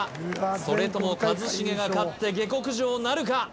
それとも一茂が勝って下克上なるか